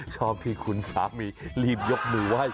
ชอบที่คุณสามีรีบยกหมู่ไหว้กับพระหย่า